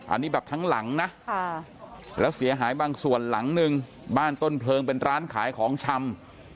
อันนี้แบบทั้งหลังนะแล้วเสียหายบางส่วนหลังหนึ่งบ้านต้นเพลิงเป็นร้านขายของชำ